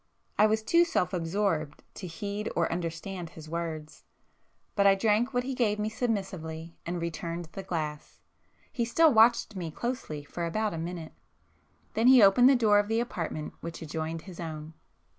I was too self absorbed to heed or understand his words, but I drank what he gave me submissively and returned the glass,—he still watched me closely for about a minute. Then he opened the door of the apartment which adjoined his own.